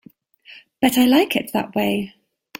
But I like it that way.